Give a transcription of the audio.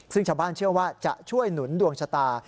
ซึ่งชาวบ้านเชื่อว่าจะช่วยหนุนดวงชะตา